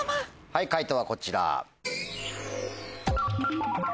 はい解答はこちら。